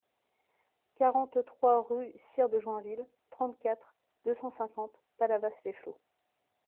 quarante-trois rue Sire de Joinville, trente-quatre, deux cent cinquante, Palavas-les-Flots